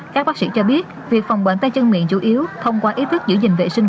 các bác sĩ cho biết việc phòng bệnh tay chân miệng chủ yếu thông qua ý thức giữ gìn vệ sinh